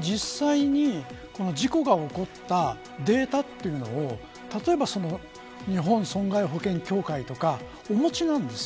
実際に事故が起こったデータというのを日本損害保険協会とかお持ちなんです。